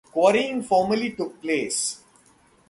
Quarrying formerly took place.